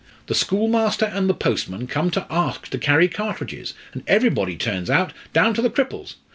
the schoolmaster and the postman come to ask to carry cartridges, and everybody turns out, down to the cripples!